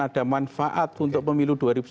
ada manfaat untuk pemilu dua ribu sembilan belas